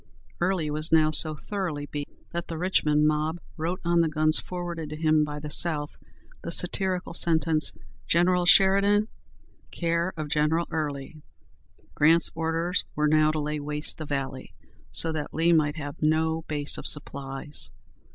Early was now so thoroughly beaten, that the Richmond mob wrote on the guns forwarded to him by the South the satirical sentence, "General Sheridan, care of General Early!" Grant's orders were now to lay waste the valley, so that Lee might have no base of supplies.